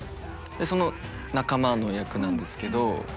その仲間の役なんですけど。